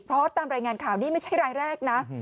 เพราะตามรายงานข่าวนี่ไม่ใช่รายแรกนะ